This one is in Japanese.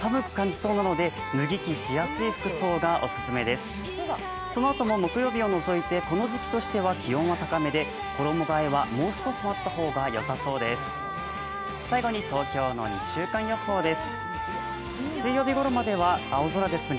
そのあとも木曜日を除いてこの時期としては気温は高めで衣がえはもう少し待った方がよさそうです。